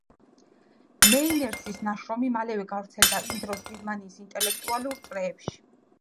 მეინერსის ნაშრომი მალევე გავრცელდა იმ დროის გერმანიის ინტელექტუალურ წრეებში.